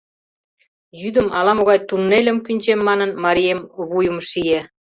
Йӱдым ала-могай туннельым кӱнчем манын, марием вуйым шие».